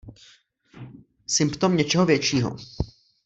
Symptom něčeho většího!